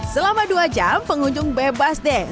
selama dua jam pengunjung bebas deh